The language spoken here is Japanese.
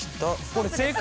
これ正解？